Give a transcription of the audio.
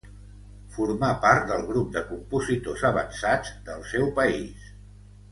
Formà part del grup de compositors avançats del seu país.